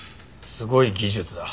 すごい技術だ。